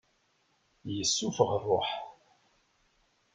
Yessuffeɣ rruḥ.